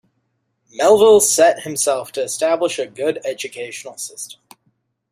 Melville set himself to establish a good educational system.